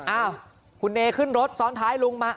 อ้าวคุณเอขึ้นรถซ้อนท้ายลุงมา